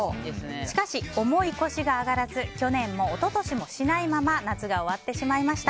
しかし重い腰が上がらず去年も一昨年もしないまま夏が終わってしまいました。